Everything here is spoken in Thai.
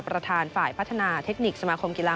ประธานฝ่ายพัฒนาเทคนิคสมาคมกีฬา